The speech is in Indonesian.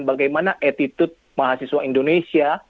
bagaimana etitud mahasiswa indonesia